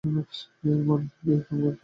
এর মানে কী, তা তাঁর জানা নেই।